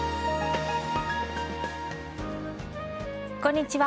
こんにちは。